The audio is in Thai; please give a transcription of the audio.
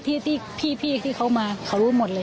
พี่ยากกับพี่บ๊ายบุญที่เขามาเขารู้หมดเลย